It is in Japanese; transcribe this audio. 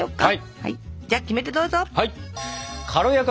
はい。